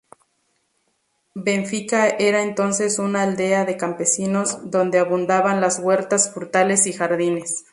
Benfica era entonces una aldea de campesinos, donde abundaban las huertas, frutales y jardines.